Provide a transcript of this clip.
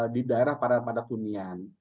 di daerah padat kunyian